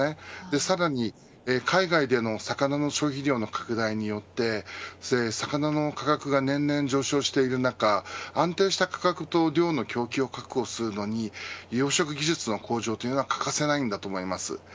さらに海外での魚の消費量の拡大によって魚の価格が年々上昇している中安定した価格と漁の供給を確保するのに養殖技術の向上というのは欠かせないと思います。